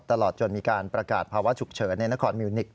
ตลอดจนมีการประกาศภาวะฉุกเฉินในนครมิวนิกส